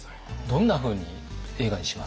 どんなふうに映画にします？